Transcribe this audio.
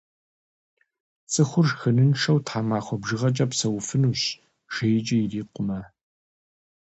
Цӏыхур шхыныншэу тхьэмахуэ бжыгъэкӏэ псэуфынущ, жейкӏэ ирикъумэ.